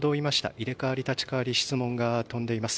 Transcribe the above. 入れ代わり立ち代わり質問が飛んでいます。